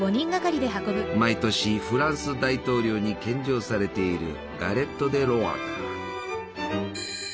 毎年フランス大統領に献上されているガレット・デ・ロワだ。